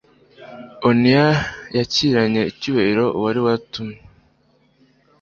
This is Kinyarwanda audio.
oniya yakiranye icyubahiro uwari watumwe